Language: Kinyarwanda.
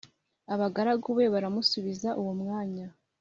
abagaragu be baramusubiza uwo mwanya